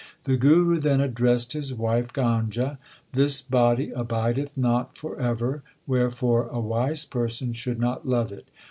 The Guru then addressed his wife Ganga : This body abideth not for ever. Wherefore a wise person should not love it.